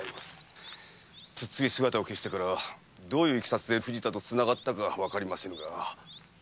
プッツリ姿を消してからどういういきさつで藤田と繋がったかわかりませぬが。